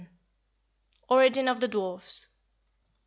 ORIGIN OF THE DWARFS.